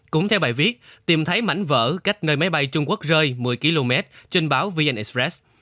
cũng theo bài viết tìm thấy mảnh vỡ cách nơi máy bay trung quốc rơi một mươi km trên báo vn express